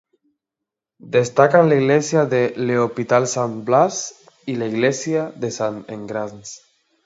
Destacan la iglesia de L'Hôpital-Saint-Blaise y la iglesia de Sainte-Engrâce.